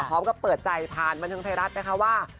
พร้อมกับเปิดใจผ่านบันทึงไทยรัฐนะคะว่า